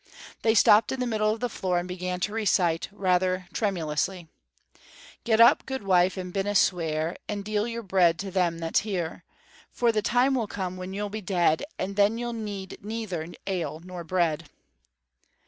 They stopped in the middle of the floor and began to recite, rather tremulously, Get up, good wife, and binna sweir, And deal your bread to them that's here. For the time will come when you'll be dead, And then you'll need neither ale nor bread.